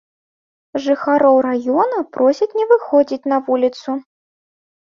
Жыхароў раёна просяць не выходзіць на вуліцу.